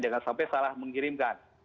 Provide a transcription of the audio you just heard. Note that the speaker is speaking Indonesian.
jangan sampai salah mengirimkan